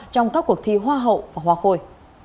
trong các cuộc thi hoa hậu và hoa khôi